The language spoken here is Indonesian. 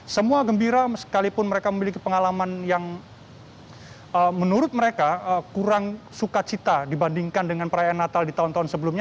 semua gembira sekalipun mereka memiliki pengalaman yang menurut mereka kurang suka cita dibandingkan dengan perayaan natal di tahun tahun sebelumnya